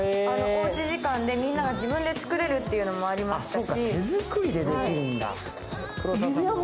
おうち時間でみんなが自分で作れるというのもありましたし。